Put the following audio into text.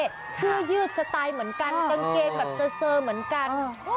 เสื้อยืดสไตล์เหมือนกันกางเกงแบบเซอร์เหมือนกัน